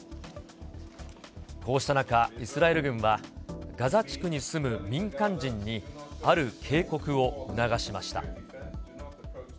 こうした中、イスラエル軍はガザ地区に住む民間人にある警告を促しました。